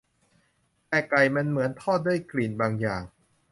แต่ไก่มันเหมือนทอดด้วยกลิ่นบางอย่าง